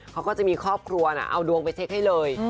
เขาก็จะมีครอบครัวเอาดวงไปเช็คให้เลย